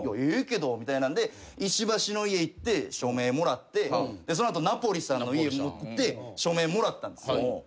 「ええけど」みたいなんで石橋の家行って署名もらってその後ナポリさんの家行って署名もらったんですよ。